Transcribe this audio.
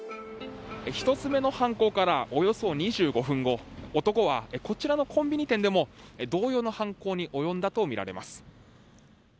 １つ目の犯行からおよそ２５分後男は、こちらのコンビニ店でも同様の犯行に及んだとみられます。